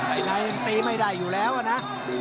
ไอ้นายมันตีไม่ได้อยู่แล้วนะ